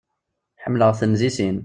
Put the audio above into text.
Ḥemmleɣ-ten di sin.